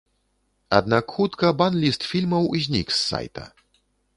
Аднак хутка бан-ліст фільмаў знік з сайта.